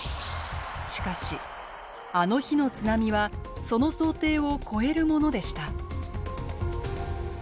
しかしあの日の津波はその想定を超えるものでした。